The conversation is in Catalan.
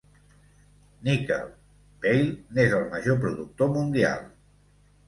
Níquel: Vale n'és el major productor mundial.